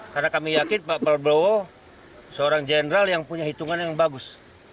karena kami yakin pak prabowo seorang jenderal yang punya hitungan yang bagus